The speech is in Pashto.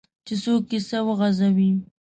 چې څوک کیسه وغځوي.